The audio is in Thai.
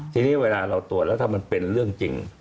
ทีนี้เวลาเราตรวจแล้วถ้ามันเป็นเรื่องจริง